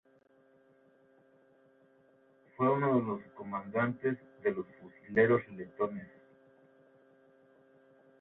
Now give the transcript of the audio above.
Fue uno de los comandantes de los fusileros letones.